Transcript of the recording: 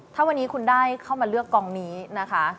ถ้าวันนี้คุณได้เข้ามาเลือกกองนี้นะคะ